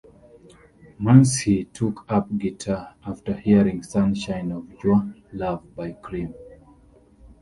Muncey took up guitar after hearing "Sunshine Of Your Love" by Cream.